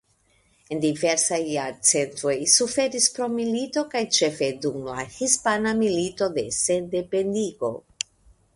En diversaj jarcentoj suferis pro militoj kaj ĉefe dum la Hispana Milito de Sendependigo.